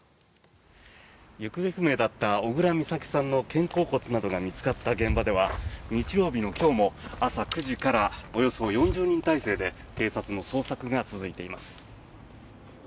行方不明だった小倉美咲さんの肩甲骨などが見つかった現場では日曜日の今日も朝９時からおよそ４０人態勢で警察の捜索が続いています。